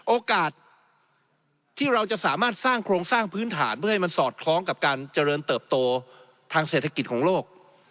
โอกาสที่เราจะสามารถสร้างโครงสร้างพื้นฐานเพื่อให้มันสอดคล้องกับการเจริญเติบโตทางเศรษฐกิจของโลก